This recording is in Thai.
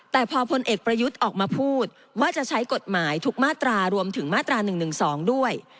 แต่พอพลเอกประยุทธ์ออกมาพูดว่าจะใช้กฎหมายทุกมาตรารวมถึงมาตรา๑๑๒ด้วย